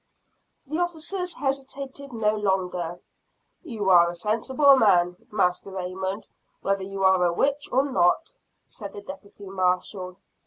The officers hesitated no longer. "You are a sensible man, Master Raymond, whether you are a witch or not," said the deputy marshall.